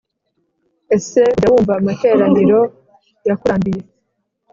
Ese ujya wumva amateraniro yakurambiye